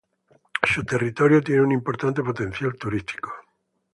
Su territorio tiene un importante "potencial turístico".